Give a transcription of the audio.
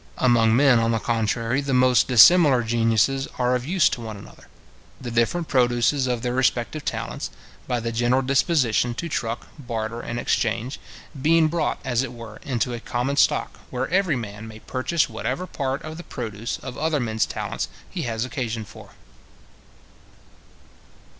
Among men, on the contrary, the most dissimilar geniuses are of use to one another; the different produces of their respective talents, by the general disposition to truck, barter, and exchange, being brought, as it were, into a common stock, where every man may purchase whatever part of the produce of other men's talents he has occasion for.